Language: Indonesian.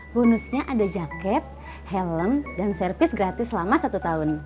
bonusnya ada jaket helm dan servis gratis selama satu tahun